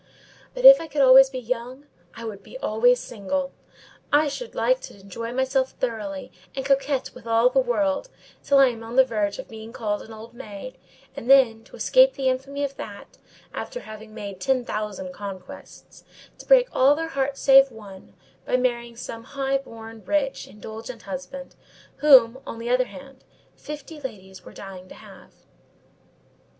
But if I could be always young, I would be always single. I should like to enjoy myself thoroughly, and coquet with all the world, till I am on the verge of being called an old maid; and then, to escape the infamy of that, after having made ten thousand conquests, to break all their hearts save one, by marrying some high born, rich, indulgent husband, whom, on the other hand, fifty ladies were dying to have."